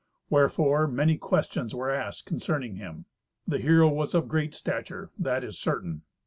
Wherefore many questions were asked concerning him. The hero was of great stature; that is certain.